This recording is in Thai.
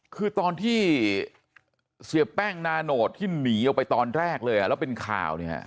คือตอนที่เสียแป้งนาโนตที่หนีออกไปตอนแรกเลยแล้วเป็นข่าวเนี่ย